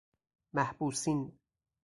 محبوسین